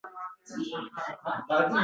Eng yaqin do’stiga so’zlagan ko’zlar